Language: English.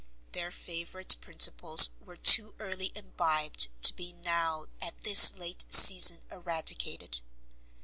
Their favourite principles were too early imbibed to be now at this late season eradicated.